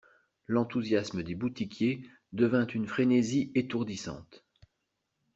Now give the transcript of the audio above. L'enthousiasme des boutiquiers devint une frénésie étourdissante.